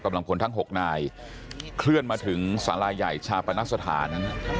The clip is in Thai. กำลังพลทั้ง๖นายเคลื่อนมาถึงสาราใหญ่ชาปนสถาน